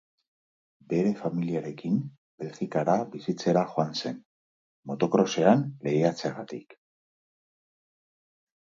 Bere familiarekin Belgikara bizitzera joan zen, moto-krosean lehiatzeagatik.